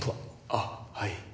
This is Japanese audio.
ああはい。